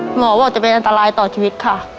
หมอบอกจะเป็นอันตรายต่อชีวิตค่ะ